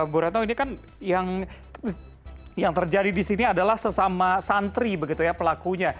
bu retno ini kan yang terjadi di sini adalah sesama santri begitu ya pelakunya